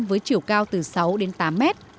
với chiều cao từ sáu đến tám mét